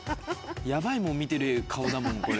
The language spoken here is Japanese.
ヤバいもん見てる顔だもんこれ。